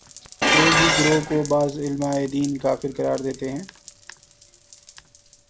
کہ ایک ہی گروہ کو بعض علماے دین کافر قرار دیتے ہیں